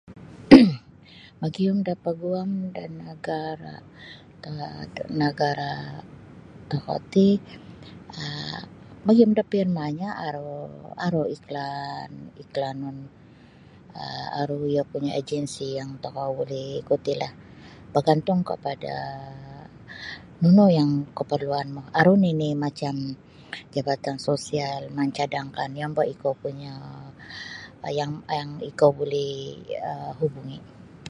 magiyum da paguam da nagara' da nagara' tokou ti um magiyum da firmanyo aru aru iklaan iklanun um aru iyo punyo ajensi yang tokou buli ikutilah bagantung kapada nunu yang kaparluanmu aru nini' macam jabatan sosial mancadangkan yombo' ikou punyo' yang ikou boleh um hubungi'.